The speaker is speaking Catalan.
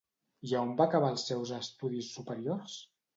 I a on va acabar els seus estudis superiors?